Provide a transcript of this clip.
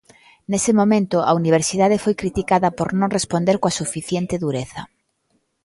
Nese momento, a Universidade foi criticada por non responder coa suficiente dureza.